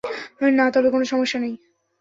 না, তবে কোনো সমস্যা নেই।